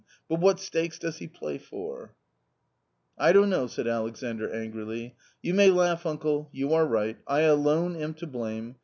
But what stakes does he play for?" " I don't know," said Alexandr angrily. " You may laugh, uncle ; you are right ; I alone am to blame.